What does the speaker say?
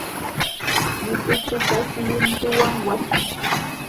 Yutu pukaśh luntutam waćhan